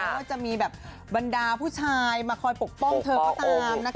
ว่าจะมีแบบบรรดาผู้ชายมาคอยปกป้องเธอก็ตามนะคะ